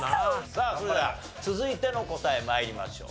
さあそれでは続いての答え参りましょう。